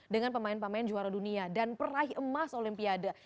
dengan pemain pemain juara dunia dan peraih emas olimpiade